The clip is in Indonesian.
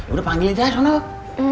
udah panggilin saya sudah